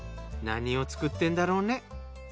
何を作ってんだろうね。